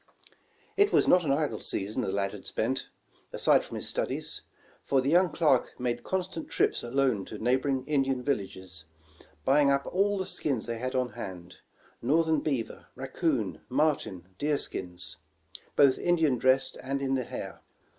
It was not an idle season the lad had spent, aside from his studies; for the young clerk made constant trips alone to neighboring Indian villages, buying up all the skins they had on hand — northern beaver, rac coon, marten and deer skins, both Indian dressed and in the hair.